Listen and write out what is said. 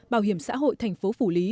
bảo hiểm xã hội thành phố phổ lý